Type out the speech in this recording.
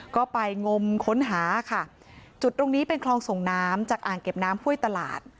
ก็ไปงมค้นหาค่ะจุดตรงนี้เป็นคลองส่งน้ำจากอ่างเก็บน้ำห้วยตลาด